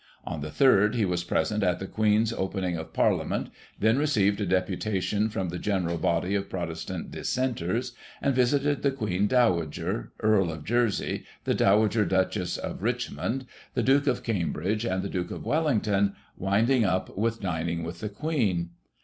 On the 3rd he was present at the Queen's Opening of Parliament, then received a deputation from the general body of Protestcint Dissenters ; and visited the Queeu Dowager^ Earl of Jersey, the Dowager Duchess of Richmond, the Duke of Cambridge and the Duke of Wellington ; winding up with dining with the Queen.